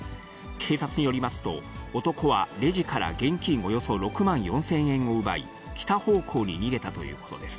警察によりますと、男はレジから現金およそ６万４０００円を奪い、北方向に逃げたということです。